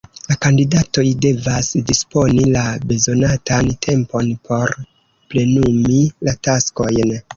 La kandidatoj devas disponi la bezonatan tempon por plenumi la taskojn.